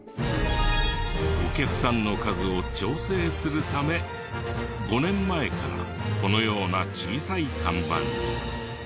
お客さんの数を調整するため５年前からこのような小さい看板に。